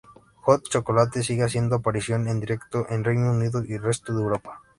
Hot Chocolate sigue haciendo apariciones en directo en Reino Unido y resto de Europa.